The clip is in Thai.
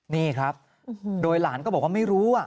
นี่ครับโดยหลานก็บอกว่าไม่รู้